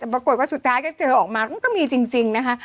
แต่ปรากฏว่าสุดท้ายก็เจอออกมาก็มีจริงนะคะ